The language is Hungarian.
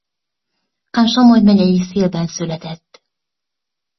A Somogy megyei Szilben született.